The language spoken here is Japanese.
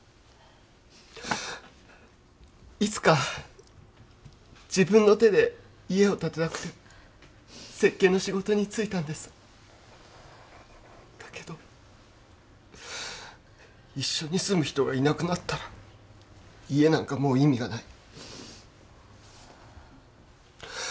いつか自分の手で家を建てたくて設計の仕事に就いたんですだけど一緒に住む人がいなくなったら家なんかもう意味がない